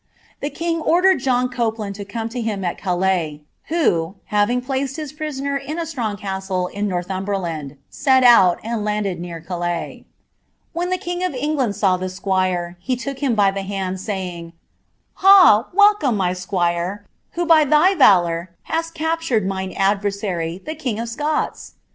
The king then ordered John Copeland to come to him at Calais, who, mwkig plaoNl his prisoner in a strong castle in Northumberland, set out, nd landed near Calais. When the king of England saw the squire, he ook him by the hand, saying, ^ Ha ! welcome, my squire, who by thy rulour hast captured mine adversary, the king of Scots